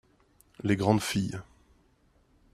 les grandes filles.